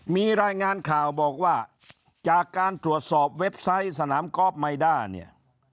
มีรายงานข่าวบอกว่าจากการตรวจสอบเว็บไซต์สนามกอล์ฟไมด้าเนี่ย